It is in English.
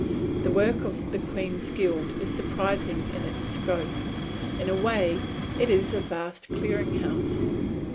The work of the Queen's Guild is surprising in its scope. In a way it is a vast clearing house.